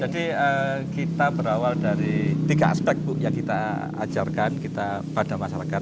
jadi kita berawal dari tiga aspek bu yang kita ajarkan kita pada masyarakat